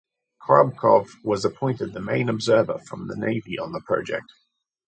Korobkov was appointed the main observer from the Navy on the project.